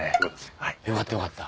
よかったよかった。